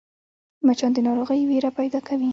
مچان د ناروغۍ وېره پیدا کوي